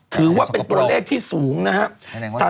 ถือว่าเป็นตัวเลขที่สูงนะครับ